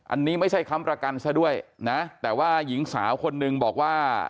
อันนี้ไม่ใช่ค้ำประกันซะด้วยนะแต่ว่าหญิงสาวคนนึงบอกว่า